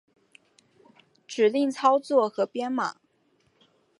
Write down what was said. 指令操作和编码